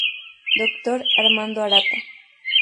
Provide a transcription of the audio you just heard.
Dr. Armando Arata.